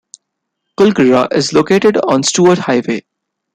Kulgera is located on Stuart Highway.